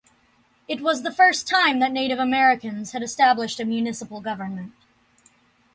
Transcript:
It was the first time that Native Americans had established a municipal government.